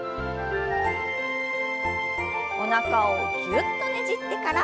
おなかをぎゅっとねじってから。